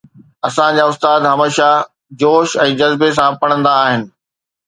اسان جا استاد هميشه جوش ۽ جذبي سان پڙهندا آهن